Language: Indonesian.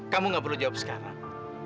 kamu gak perlu jawab sekarang